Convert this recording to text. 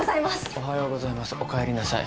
おはようございますおかえりなさい。